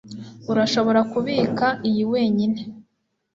Urashobora kubika iyi wenyine.